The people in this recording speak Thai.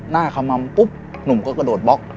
หน้าคำม่ำปุ๊บนุ่มก็กระโดดบ๊อก